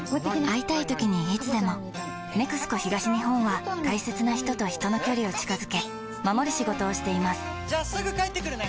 会いたいときにいつでも「ＮＥＸＣＯ東日本」は大切な人と人の距離を近づけ守る仕事をしていますじゃあすぐ帰ってくるね！